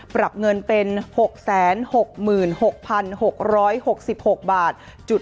ปรับเงินเป็น๖๖๖๖บาท